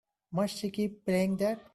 Must she keep playing that?